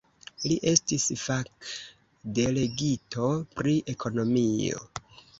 Li estis fakdelegito pri ekonomio.